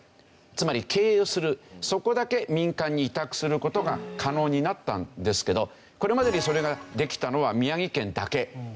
つまり経営をするそこだけ民間に委託する事が可能になったんですけどこれまでにそれができたのは宮城県だけなんですね。